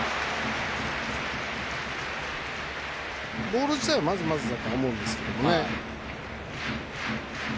ボール自体はまずまずだと思いますね。